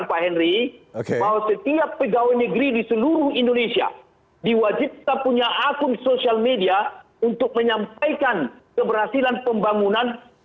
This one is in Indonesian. bisa tidak sebagai suatu saran pak henry bahwa setiap pegawai negeri di seluruh indonesia diwajib kita punya akun sosial media untuk menyampaikan keberhasilan pembangunan